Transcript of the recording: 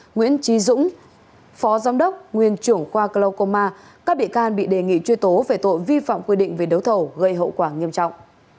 nguyễn trí dũng phó giám đốc nguyên trưởng khoa cloukoma các bị can bị đề nghị truy tố về tội vi phạm quy định về đấu thầu gây hậu quả nghiêm trọng